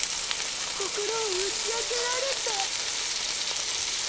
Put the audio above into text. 心を打ち明けられた。